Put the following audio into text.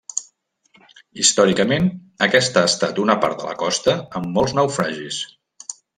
Històricament aquesta ha estat una part de la costa amb molts naufragis.